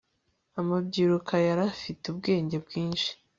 amabyiruka yarafite ubwenge bwinshi